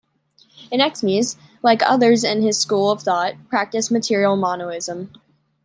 Anaximenes, like others in his school of thought, practiced material monism.